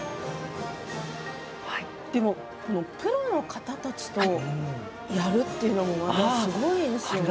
プロの方たちとやるというのはすごいですよね。